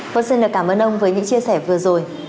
vâng xin cảm ơn ông với những chia sẻ vừa rồi